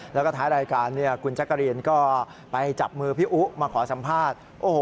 แล้วก็ท้ายรายการคุณจักรีนก็ไปจับมือพี่อุ๊มาขอสัมภาษณ์